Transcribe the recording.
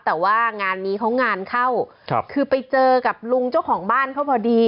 แต่ว่างานนี้เขางานเข้าคือไปเจอกับลุงเจ้าของบ้านเขาพอดี